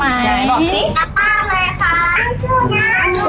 ป๊าเลยค่ะ